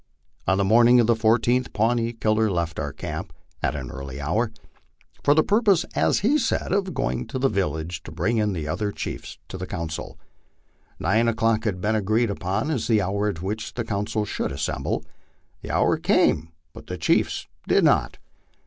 On the morning of the 14th Pawnee Killer left our camp at an early hour, for the purpose, as he said, of going to the vil lage to bring in the other chiefs to the council. Nine o'clock had been agreed upon as the hour at which the council should assemble. The hour came, but the chiefs did not.